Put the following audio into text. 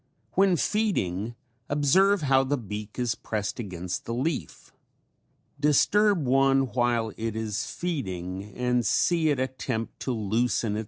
When feeding observe how the beak is pressed against the leaf. Disturb one while it is feeding and see it attempt to loosen its mouth parts.